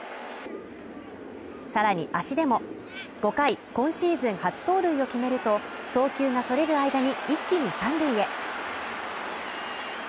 さらに足でも５回、今シーズン初盗塁を決めると、送球がそれる間に一気に三塁へ。